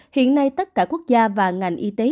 hiện nay tất cả quốc gia và ngành y tế